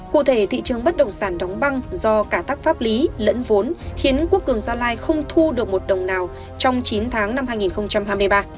cụ thể thị trường bất động sản đóng băng do cả tắc pháp lý lẫn vốn khiến quốc cường gia lai không thu được một đồng nào trong chín tháng năm hai nghìn hai mươi ba